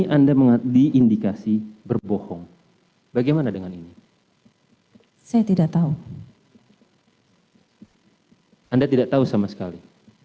anda tidak tahu sama sekali